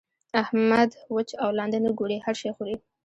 احمد؛ وچ او لانده نه ګوري؛ هر شی خوري.